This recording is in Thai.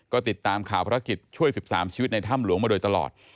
ก็ติดตามข่าวภารกิจช่วย๑๓ชีวิตในถ้ำหลวงมาโดยตลอด